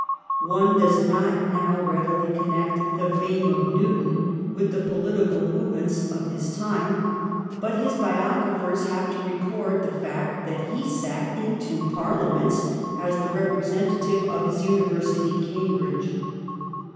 One does not now readily connect the fame of Newton with the political movements of his 1702 14 ISAAC NEWTON. 295 time, but his biographers have to record the fact that he sat in two Parliaments as the representative of his University, Cambridge.